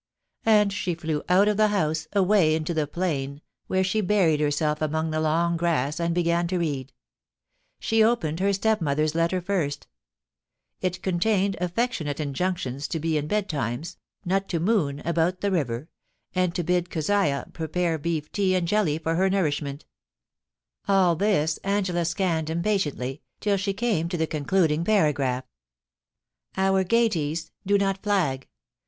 And she flew out of the house, away into the plain, where she buried herself among the long grass and began to read. She opened her stepmother's letter first It contained afiectionale injunctions to be in betimes, not to * moon ' about by the river, and to bid Keziah prepare beef tea and jelly for her nourishment All this Angela scanned im patiently, till she came to the concluding paragraph :* Our gaieties do not flag.